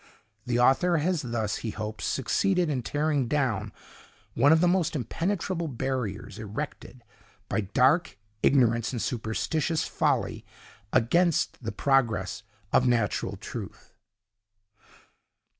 The author has thus, he hopes, succeeded in tearing down one of the most impenetrable barriers erected by dark ignorance and superstitious folly against the progress of natural truth."